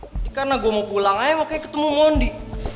ini karena gua mau pulang aja makanya ketemu mondi